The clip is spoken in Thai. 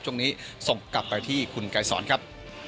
ช่วงนี้ส่งกลับไปที่คุณไกรสอนครับ